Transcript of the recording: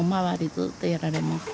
ずっとやられます。